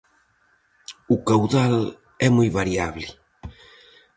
O caudal é moi variable.